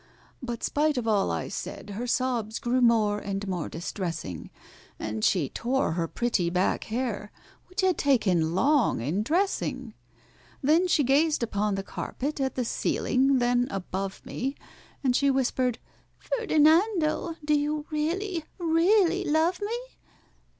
But spite of all I said, her sobs grew more and more distressing, And she tore her pretty back hair, which had taken long in dressing. Then she gazed upon the carpet, at the ceiling, then above me, And she whispered, "FERDINANDO, do you really, really love me?"